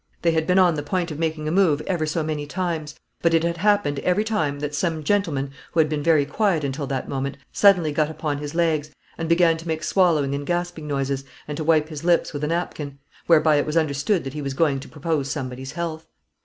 They had been on the point of making a move ever so many times; but it had happened every time that some gentleman, who had been very quiet until that moment, suddenly got upon his legs, and began to make swallowing and gasping noises, and to wipe his lips with a napkin; whereby it was understood that he was going to propose somebody's health.